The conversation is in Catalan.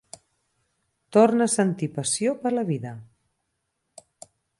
Torna a sentir passió per la vida.